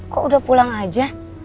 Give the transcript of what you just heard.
kok udah pulang aja